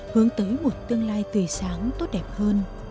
hướng tới một tương lai tươi sáng tốt đẹp hơn